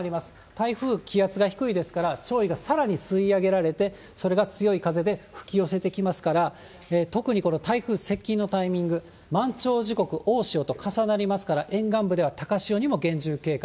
台風、気圧が低いですから、潮位がさらに吸い上げられて、それが強い風で吹き寄せてきますから、特にこの台風接近のタイミング、満潮時刻、大潮と重なりますから、沿岸部では高潮にも厳重警戒。